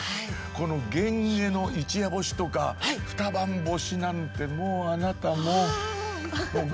このゲンゲの一夜干しとか二晩干しなんてもうあなたもう。